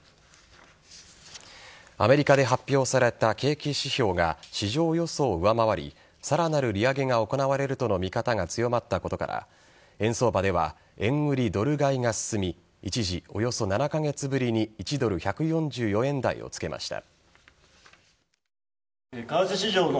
アメリカで発表された景気指標が市場予想を上回りさらなる利上げが行われるとの見方が強まったことから円相場では円売りドル買いが進み一時、およそ７カ月ぶりに１ドル１４４円台をつけました。